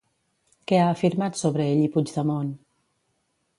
Què ha afirmat sobre ell i Puigdemont?